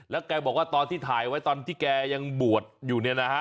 แล้วแกบอกว่าตอนที่ถ่ายไว้ตอนที่แกยังบวชอยู่เนี่ยนะฮะ